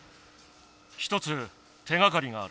一つ手がかりがある。